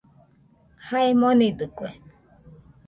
Jae monidɨkue